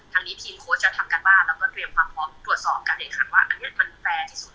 ทางนี้ทีมโค้ชจะทำการบ้านแล้วก็เตรียมความพร้อมตรวจสอบการแข่งขันว่าอันนี้มันแฟร์ที่สุด